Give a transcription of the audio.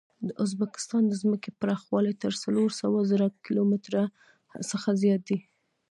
د ازبکستان د ځمکې پراخوالی تر څلور سوه زره کیلو متره څخه زیات دی.